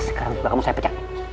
sekarang kamu saya pecah